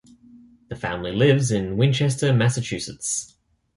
The family lives in Winchester, Massachusetts.